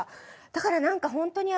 だから何かホントに。